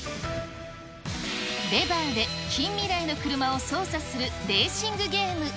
レバーで近未来の車を操作するレーシングゲーム。